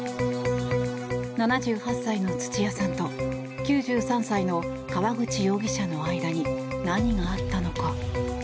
７８歳の土屋さんと９３歳の川口容疑者の間に何があったのか。